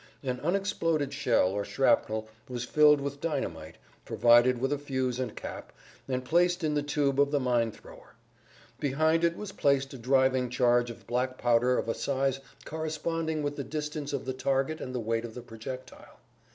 An unexploded shell or shrapnel was filled with dynamite, provided with a fuse and cap, and placed in the tube of the mine thrower. Behind it was placed a driving charge of black powder of a size corresponding with the distance of the target and the weight of the projectile.